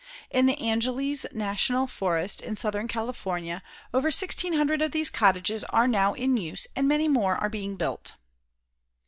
In the Angeles National Forest in southern California, over sixteen hundred of these cottages are now in use and many more are being built.